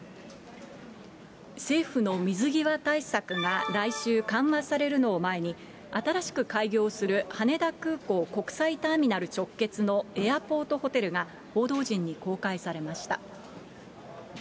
政府の水際対策が来週、緩和されるのを前に、新しく開業する羽田空港国際ターミナル直結のエアポートホテルが、報道陣に公開されました。